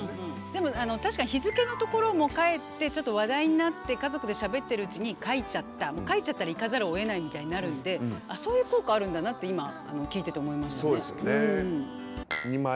でも確かに日付のところも帰ってちょっと話題になって家族でしゃべってるうちに書いちゃった書いちゃったら行かざるをえないみたいになるんでそういう効果あるんだなって今聞いてて思いましたね。